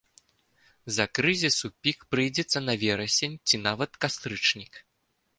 З-за крызісу пік прыйдзецца на верасень ці нават кастрычнік.